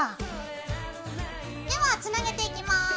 ではつなげていきます。